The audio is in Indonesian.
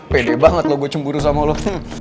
pede banget loh gue cemburu sama lo